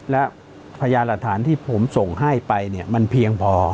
และพยานหลักฐานที่ผมส่งให้ไปเนี่ยมันเพียงพอ